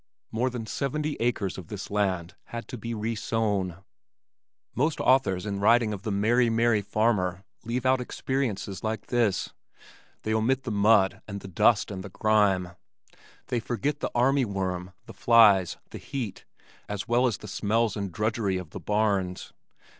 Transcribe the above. More than seventy acres of this land had to be resown. Most authors in writing of "the merry merry farmer" leave out experiences like this they omit the mud and the dust and the grime, they forget the army worm, the flies, the heat, as well as the smells and drudgery of the barns.